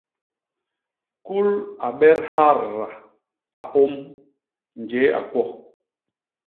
Kul a bet harrra, a ôm, njéé a kwo!